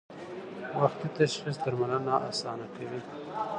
وختي تشخیص درملنه اسانه کوي.